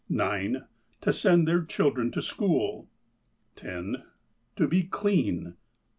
(9) To send their children to school. (10) To be clean.